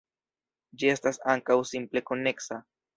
Ĝi estas ankaŭ simple-koneksa.